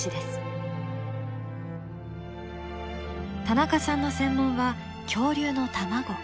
田中さんの専門は恐竜の卵。